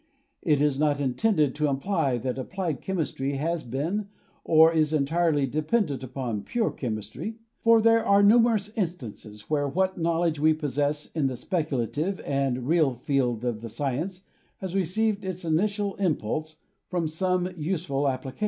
It is not intended to imply that applied chemistry has been or is entirely dependent upon pure chemistry, for there are numerous instances where what knowledge we possess in the speculative and real field of the science has received its initial impulse from some use ful application.